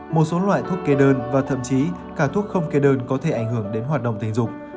một số loại thuốc kê đơn và thậm chí cả thuốc không kê đơn có thể ảnh hưởng đến hoạt động tình dục